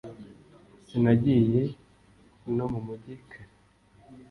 sinagiye no mumujyi kare